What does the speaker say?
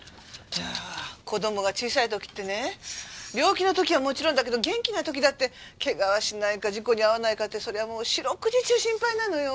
子供が小さい時ってね病気の時はもちろんだけど元気な時だってケガはしないか事故に遭わないかってそれはもう四六時中心配なのよ。